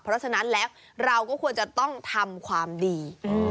เพราะฉะนั้นแล้วเราก็ควรจะต้องทำความดี